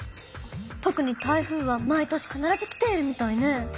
とくに台風は毎年かならず来ているみたいね。